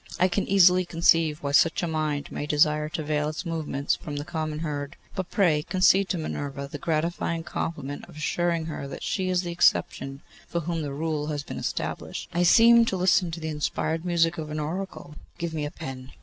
I can easily conceive why such a mind may desire to veil its movements from the common herd, but pray concede to Minerva the gratifying compliment of assuring her that she is the exception for whom this rule has been established.' 'I seem to listen to the inspired music of an oracle. Give me a pen!